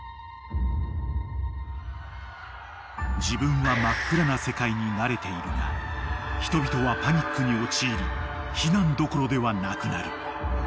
［自分は真っ暗な世界に慣れているが人々はパニックに陥り避難どころではなくなる］